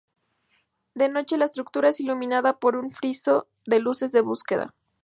De noche, la estructura es iluminada por un friso de luces de búsqueda.